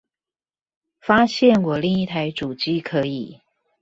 發現我另一台主機可以